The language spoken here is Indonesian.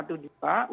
untuk menilai keamanan